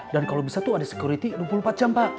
dan kalau bisa tuh ada security dua puluh empat jam pak